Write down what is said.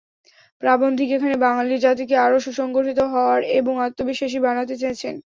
প্রাবন্ধিক এখানে বাঙলির জাতিকে আরও সুসংগঠিত হওয়ার এবং আত্মবিশ্বাসী বানাতে চেয়েছেন।